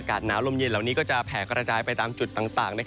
หนาวลมเย็นเหล่านี้ก็จะแผ่กระจายไปตามจุดต่าง